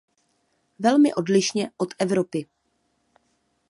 Velmi odlišně od Evropy.